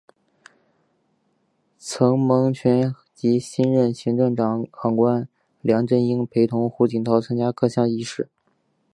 曾荫权及新任行政长官梁振英陪同胡锦涛参加各项仪式。